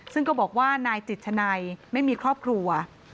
ซึ่งก็บอกว่านายจิตชะนัยไม่มีครอบครัว